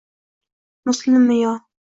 Muslimmi yo